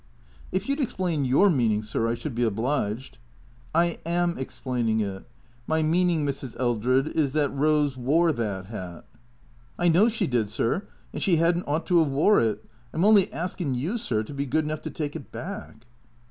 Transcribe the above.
" If you 'd explain your meaning, sir, I should be obliged." " I am explaining it. My meaning, Mrs. Eldred, is that Rose wore that hat." " I know she did, sir, and she 'ad n't ought to 'ave wore it. I'm only askin' you, sir, to be good onougli to take it back."